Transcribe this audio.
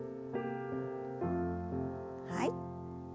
はい。